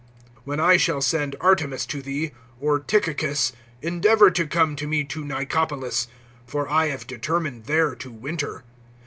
(12)When I shall send Artemas to thee, or Tychicus, endeavor to come to me to Nicopolis; for I have determined there to winter.